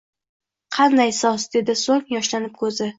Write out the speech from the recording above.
— Qanday soz! – dedi so’ng yoshlanib ko’zi.